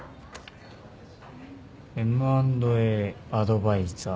Ｍ＆Ａアドバイザー。